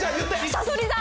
さそり座。